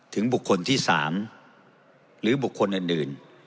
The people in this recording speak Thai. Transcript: ถึงบุคคลที่สามหรือบุคคลอื่น